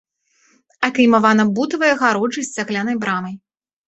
Акаймавана бутавай агароджай з цаглянай брамай.